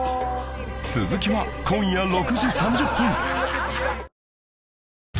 続きは今夜６時３０分